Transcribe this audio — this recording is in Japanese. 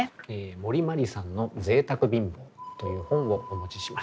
森茉莉さんの「贅沢貧乏」という本をお持ちしました。